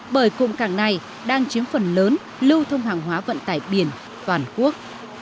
bởi cụm cảng này đang chiếm phần lớn lưu thông hàng hóa vận tải biển toàn quốc